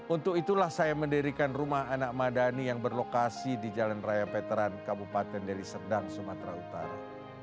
untuk itulah saya mendirikan rumah anak madani yang berlokasi di jalan raya veteran kabupaten deli serdang sumatera utara